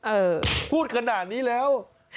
เออพูดขนาดนี้แล้ว